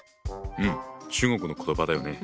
うん中国の言葉だよね。